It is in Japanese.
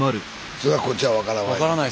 そりゃこっちは分からない。